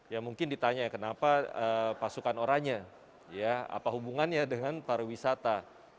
ya mungkin ditanya ya kenapa pasukan oranye apa hubungannya dengan pariwisata